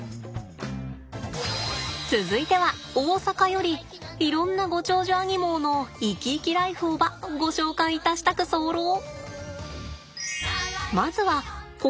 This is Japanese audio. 続いては大阪よりいろんなご長寿アニモーの生き生きライフをばご紹介いたしたくそうろう！